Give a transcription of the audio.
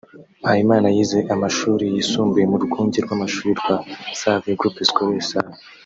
Mpayimana yize amashuri yisumbuye mu rwunge rw’amashuri rwa Save (Groupe Scolaire Save)